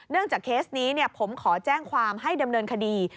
จากเคสนี้ผมขอแจ้งความให้ดำเนินคดี